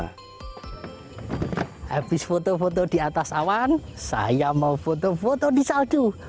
habis foto foto di atas awan saya mau foto foto di salju